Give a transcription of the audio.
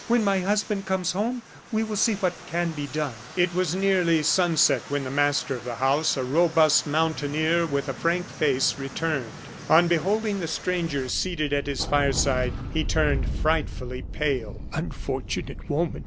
When my husband comes home, we will see what can be done." It was nearly sunset when the master of the house, a robust mountaineer, with a frank face, returned. On beholding the stranger seated at his fireside he turned frightfully pale. "Unfortunate woman!"